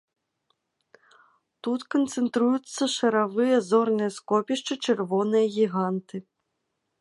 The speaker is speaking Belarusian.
Тут канцэнтруюцца шаравыя зорныя скопішчы, чырвоныя гіганты.